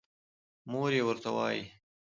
مور يې ورته وايې